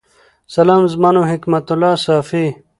سلام زما نوم حکمت الله صافی